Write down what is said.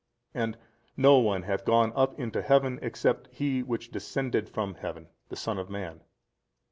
and no one hath gone up into Heaven except He which descended from heaven, the Son of man.